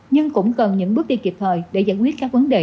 nhưng cũng cần những bước đi kịp thời để giải quyết các vấn đề